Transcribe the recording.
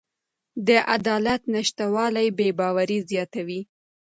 د عدالت نشتوالی بې باوري زیاتوي